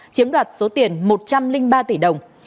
chiếm đoạt số tiền một trăm linh ba tỷ đồng